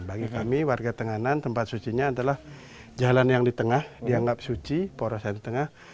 bagi kami warga tenganan tempat sucinya adalah jalan yang di tengah dianggap suci porosan di tengah